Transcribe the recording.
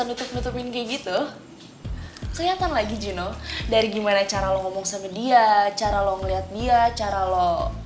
dutupin kayak gitu ternyata lagi juno dari gimana cara lo ngomong sama dia cara lo ngeliat dia cara lo